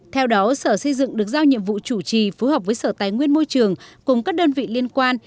theo đó sở xây dựng được giao nhiệm vụ chủ trì phối hợp với sở tài nguyên môi trường cùng các đơn vị liên quan